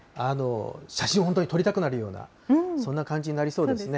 写真、本当に撮りたくなるようなそんな感じになりそうですね。